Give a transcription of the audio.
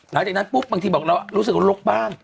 หลังจากนั้นปุ๊บบางทีบอกเรารู้สึกว่าลกบ้าน